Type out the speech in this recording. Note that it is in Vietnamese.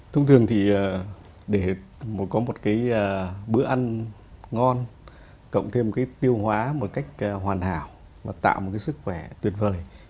thông thường thì để có một bữa ăn ngon cộng thêm tiêu hóa một cách hoàn hảo và tạo một sức khỏe tuyệt vời